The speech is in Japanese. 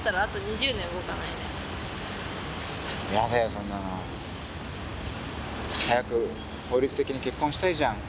そんなの。早く法律的に結婚したいじゃん。